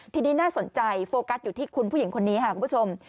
ทีนี้น่าสนใจโฟกัสอยู่ที่คุณผู้หญิงคนนี้ค่ะคุณผู้ชม